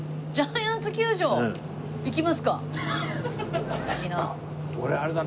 行きますか？